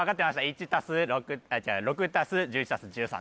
１＋６違う６＋１１＋１３